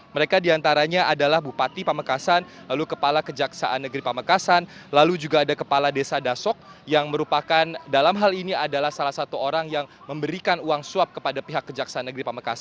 mereka diantaranya adalah bupati pamekasan lalu kepala kejaksaan negeri pamekasan lalu juga ada kepala desa dasok yang merupakan dalam hal ini adalah salah satu orang yang memberikan uang